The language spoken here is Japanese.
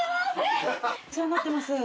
お世話になってます。